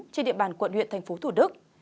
trên địa bàn quận huyện tp thủ đức